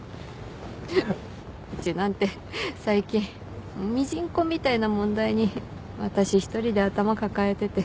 うちなんて最近ミジンコみたいな問題に私一人で頭抱えてて。